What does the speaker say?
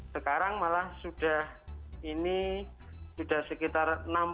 sekarang malah sudah ini sudah sekitar enam puluh